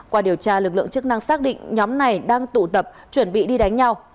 qua điều tra lực lượng chức năng xác định nhóm này đang tụ tập chuẩn bị đi đánh nhau